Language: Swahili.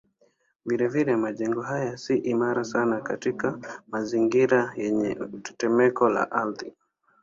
Vilevile majengo haya si imara sana katika mazingira yenye tetemeko la ardhi.